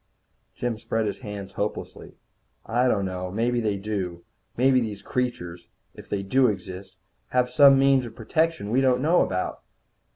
Jim spread his hands hopelessly. "I don't know. Maybe they do. Maybe these creatures if they do exist have some means of protection we don't know about."